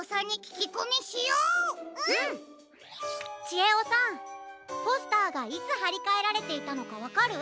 ちえおさんポスターがいつはりかえられていたのかわかる？